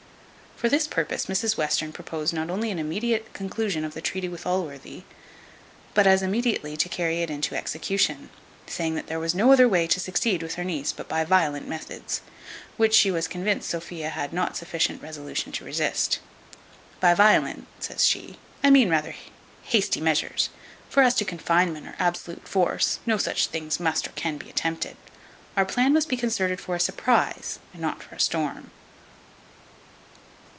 For this purpose, Mrs Western proposed not only an immediate conclusion of the treaty with Allworthy, but as immediately to carry it into execution; saying, "That there was no other way to succeed with her niece, but by violent methods, which she was convinced Sophia had not sufficient resolution to resist. By violent," says she, "I mean rather, hasty measures; for as to confinement or absolute force, no such things must or can be attempted. Our plan must be concerted for a surprize, and not for a storm."